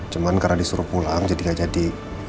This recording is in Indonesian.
cuman karena disuruh pulang jadi gak jadi